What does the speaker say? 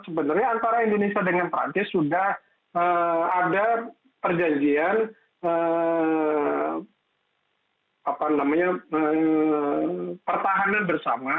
sebenarnya antara indonesia dengan perancis sudah ada perjanjian pertahanan bersama